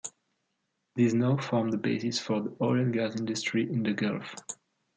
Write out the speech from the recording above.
These now form the basis for the oil and gas industry in the gulf.